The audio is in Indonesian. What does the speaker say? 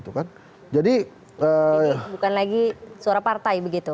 bukan lagi suara partai begitu